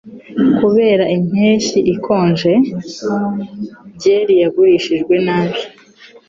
Kubera impeshyi ikonje, byeri yagurishijwe nabi.